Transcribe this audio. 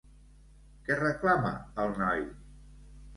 Què reclama el noi?